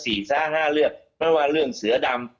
มี๔๕เรื่องไม่ว่าเรื่องเสื้อดำ